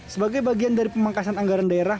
sebagai bagian dari pemangkasan anggaran daerah